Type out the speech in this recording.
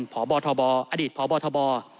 พบธบอพบธบ